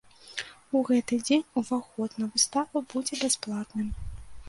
У гэты дзень ўваход на выставу будзе бясплатным.